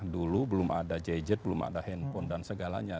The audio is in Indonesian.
dulu belum ada gadget belum ada handphone dan segalanya